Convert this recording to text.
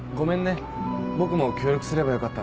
僕も協力すればよかったのに。